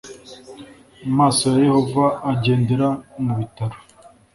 maso ya Yehova agendera mu bitaro